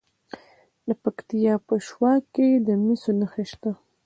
د پکتیا په شواک کې د مسو نښې شته.